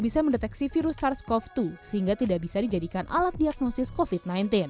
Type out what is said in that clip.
bisa mendeteksi virus sars cov dua sehingga tidak bisa dijadikan alat diagnosis covid sembilan belas